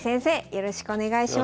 よろしくお願いします。